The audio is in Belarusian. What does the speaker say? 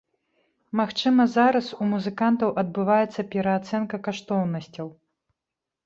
Магчыма, зараз у музыкантаў адбываецца пераацэнка каштоўнасцяў.